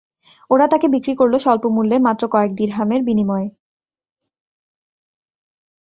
ওরা তাকে বিক্রি করল স্বল্পমূল্যে মাত্র কয়েক দিরহামের বিনিময়ে।